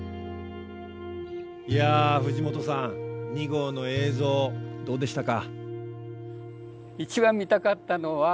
いや藤本さん２号の映像どうでしたか？